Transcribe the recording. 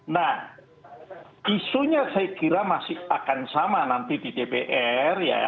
nah isunya saya kira masih akan sama nanti di dpr ya